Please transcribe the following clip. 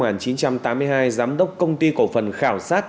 giám đốc công ty cổ phần khảo sát